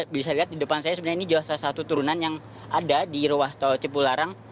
bisa dilihat di depan saya sebenarnya ini juga salah satu turunan yang ada di ruas tol cipularang